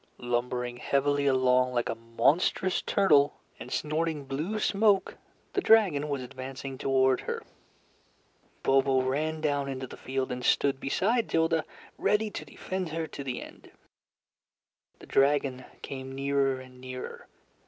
Lumbering heavily along like a monstrous turtle, and snorting blue smoke, the dragon was advancing toward her. Bobo ran down into the field and stood beside Tilda, ready to defend her to the end. The dragon came nearer and nearer.